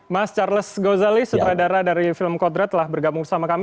mas charles gozali sutradara dari film kodrat telah bergabung bersama kami